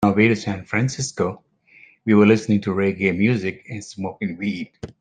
On our way to San Francisco, we were listening to reggae music and smoking weed.